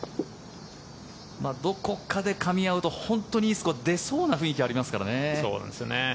どこかでかみ合うと本当にいいスコアが出そうな雰囲気ありますからね。